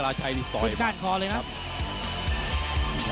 ตอนนี้มันถึง๓